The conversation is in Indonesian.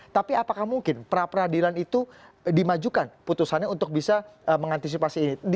tapi apakah mungkin pra peradilan itu dimajukan putusannya untuk bisa mengantisipasi ini